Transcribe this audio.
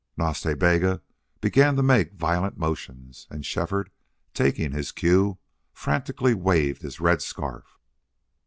Nas Ta Bega began to make violent motions, and Shefford, taking his cue, frantically waved his red scarf.